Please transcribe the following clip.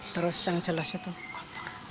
terus yang jelas itu kotor